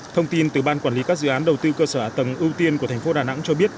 thông tin từ ban quản lý các dự án đầu tư cơ sở ả tầng ưu tiên của thành phố đà nẵng cho biết